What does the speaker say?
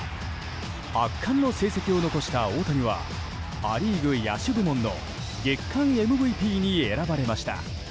圧巻の成績を残した大谷はア・リーグ野手部門の月間ＭＶＰに選ばれました。